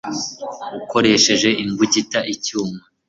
ukoresheje imbugita, icyuma